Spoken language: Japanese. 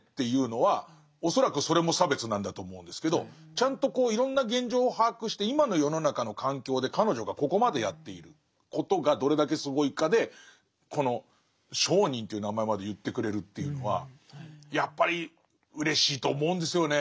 ちゃんとこういろんな現状を把握して今の世の中の環境で彼女がここまでやっていることがどれだけすごいかでこの聖人という名前まで言ってくれるっていうのはやっぱりうれしいと思うんですよね。